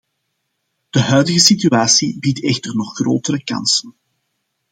De huidige situatie biedt echter nog grotere kansen.